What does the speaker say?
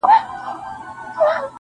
جواب دي راکړ خپل طالع مي ژړوینه!